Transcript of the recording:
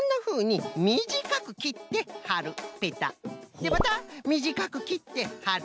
でまたみじかくきってはる。